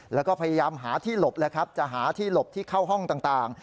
แล้วก็พยายามหาที่หลบแล้วครับจะหาที่หลบที่เข้าห้องต่าง